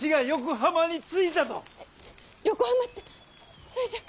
横浜ってそれじゃあ。